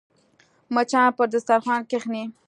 مچان پر دسترخوان کښېني